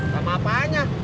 sama apaan ya